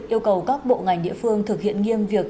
yêu cầu các bộ ngành địa phương thực hiện nghiêm việc